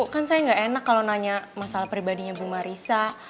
kan saya nggak enak kalau nanya masalah pribadinya bu marisa